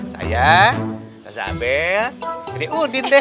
saya ustadz abel d udin deh